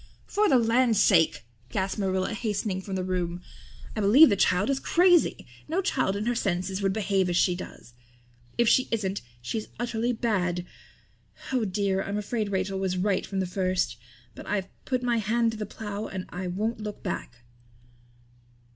"For the land's sake!" gasped Marilla, hastening from the room. "I believe the child is crazy. No child in her senses would behave as she does. If she isn't she's utterly bad. Oh dear, I'm afraid Rachel was right from the first. But I've put my hand to the plow and I won't look back."